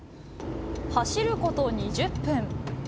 走ること２０分。